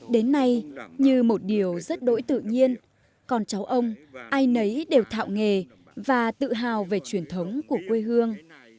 đến nay như một điều rất đỗi tự nhiên con cháu ông ai nấy đều thạo nghề và tự hào về truyền thống của quê hương